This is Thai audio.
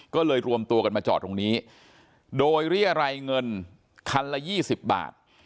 ก็เลยรวมตัวกันมาจอดตรงนี้โดยเรียรายเงินคันละ๒๐บาท